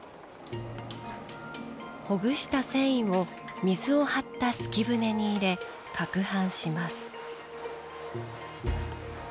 ほぐした繊維を水を張ったすき舟に入れかくはんします。